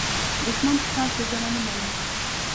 دښمن ستا ښېګڼه نه مني